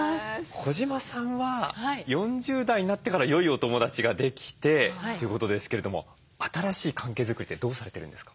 小島さんは４０代になってからよいお友だちができてということですけれども新しい関係作りってどうされてるんですか？